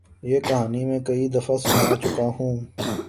یہ کہانی میں کئی دفعہ سنا چکا ہوں۔